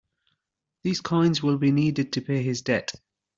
These coins will be needed to pay his debt.